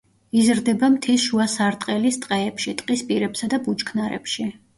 იზრდება მთის შუა სარტყელის ტყეებში, ტყის პირებსა და ბუჩქნარებში.